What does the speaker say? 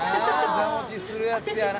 座持ちするやつやな。